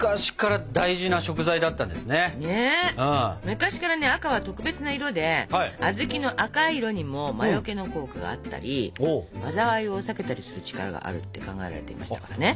昔からね「赤」は特別な色で小豆の赤い色にも魔よけの効果があったり災いを避けたりする力があるって考えられていましたからね。